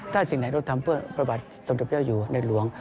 ถ้าสิ่งไหนเราทำเพื่อประบัติศักดิ์เจ้าอยู่ในหลวง